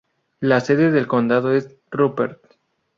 La sede del condado es Rupert.